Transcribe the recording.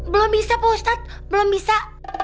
belum bisa ustadz belum bisa